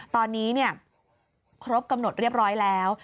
ตอนนี้ครบกำหนดเรียบร้อยแล้ว